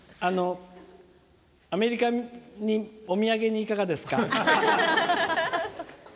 アメリカにお土産にいかがですか？